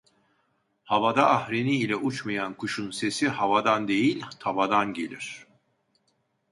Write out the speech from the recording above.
Havada ahreni ile uçmayan kuşun sesi havadan değil, tavadan gelir.